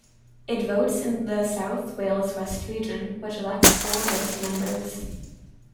It votes in the South Wales West region, which elects four list members.